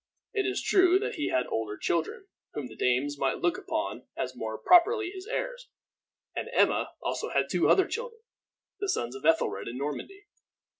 It is true that he had older children, whom the Danes might look upon as more properly his heirs; and Emma had also two older children, the sons of Ethelred, in Normandy.